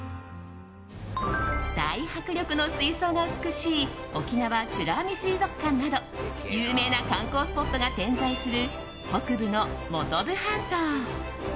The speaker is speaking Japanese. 大迫力の水槽が美しい沖縄美ら海水族館など有名な観光スポットが点在する北部の本部半島。